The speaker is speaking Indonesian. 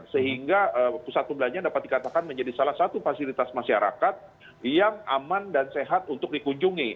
sehingga pusat perbelanjaan dapat dikatakan menjadi salah satu fasilitas masyarakat yang aman dan sehat untuk dikunjungi